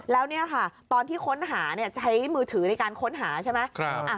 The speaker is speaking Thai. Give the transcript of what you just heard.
แล้วเนี่ยค่ะตอนที่ค้นหาใช้มือถือในการค้นหาใช่ไหม